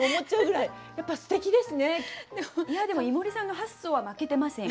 いやでも井森さんの発想は負けてませんよ。